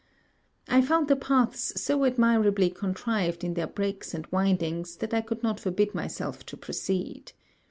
I found the paths so admirably contrived in their breaks and windings, that I could not forbid myself to proceed.